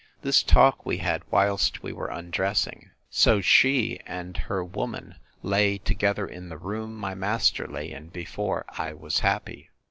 This talk we had whilst we were undressing. So she and her woman lay together in the room my master lay in before I was happy.